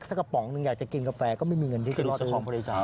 ถ้ากระป๋องหนึ่งอยากจะกินกาแฟก็ไม่มีเงินที่จะไปซื้อ